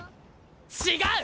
違う！